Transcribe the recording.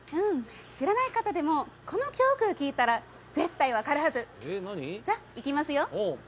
知らない方でもこの曲聴いたら絶対分かるはずじゃあいきますよ